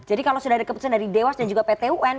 jadi kalau sudah ada keputusan dari dewas dan pt un